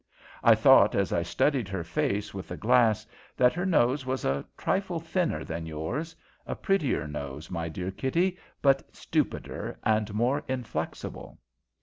I thought, as I studied her face with the glass, that her nose was a trifle thinner than yours, a prettier nose, my dear Kitty, but stupider and more inflexible.